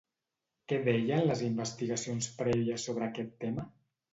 Què deien les investigacions prèvies sobre aquest tema?